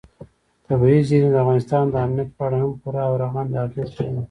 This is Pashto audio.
طبیعي زیرمې د افغانستان د امنیت په اړه هم پوره او رغنده اغېز لري.